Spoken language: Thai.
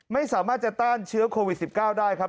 ไม่สามารถจะต้านเชื้อโควิด๑๙ได้ครับ